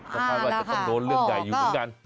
ก็คาดว่าจะต้องโดนเรื่องใหญ่อยู่เหมือนกัน